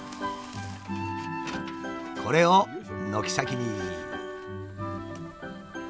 これを軒先に。